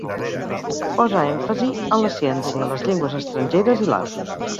Posa èmfasi en la ciència, les llengües estrangeres i l'art.